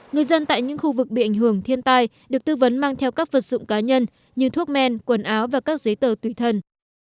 người dân tại những khu vực bị ảnh hưởng thiên tai được tư vấn mang theo các vật dụng cá nhân như thuốc men quần áo và các giấy tờ tùy thân